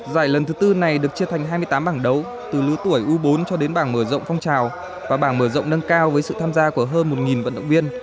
giải lần thứ tư này được chia thành hai mươi tám bảng đấu từ lứa tuổi u bốn cho đến bảng mở rộng phong trào và bảng mở rộng nâng cao với sự tham gia của hơn một vận động viên